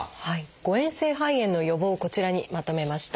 誤えん性肺炎の予防をこちらにまとめました。